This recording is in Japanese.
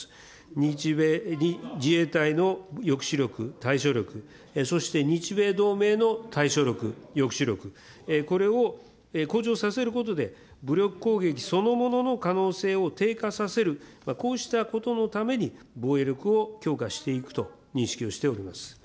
日米、自衛隊の抑止力、対処力、そして日米同盟の対処力、抑止力、これを向上させることで、武力攻撃そのものの可能性を低下させる、こうしたことのために防衛力を強化していくと認識をしております。